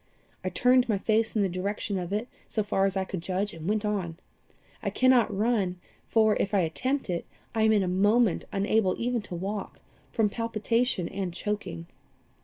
I turned my face in the direction of it, so far as I could judge, and went on. I cannot run, for, if I attempt it, I am in a moment unable even to walk from palpitation and choking.